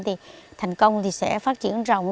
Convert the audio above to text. thành công thì sẽ phát triển rộng